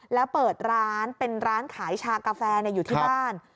แล้วเปิดร้านเป็นร้านขายชากาแฟอยู่ที่บ้าน